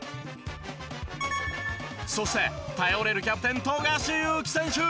そして頼れるキャプテン富樫勇樹選手。